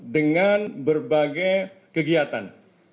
dengan berbagai kegiatan